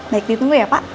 baik ditunggu ya pak